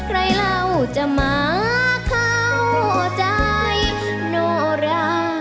ใครเราจะมาเข้าใจโนรา